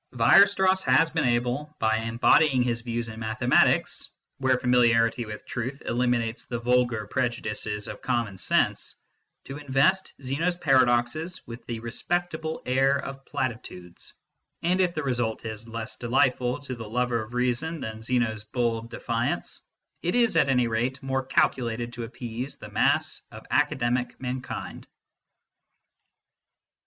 Weierstrass has been able, by embodying his views in mathematics, where familiarity with truth eliminates the vulgar prejudices of common sense, to invest Zeno s paradoxes with the respectable air of platitudes ; and if the result is less delightful to the lover of reason than Zeno s bold defiance, it is at any rate more calculated to appease the mass of academic mankind.